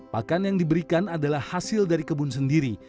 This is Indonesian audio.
pakan yang diberikan adalah hasil dari kebun sendiri